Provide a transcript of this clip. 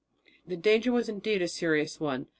The danger was indeed a serious one.